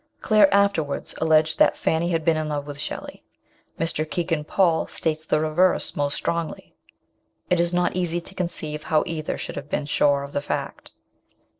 Claire afterwards alleged that Fanny had been in love with Shelley. Mr. Kegan Paul states the reverse most strongly. It is not easy to conceive how either should have been sure of the fact.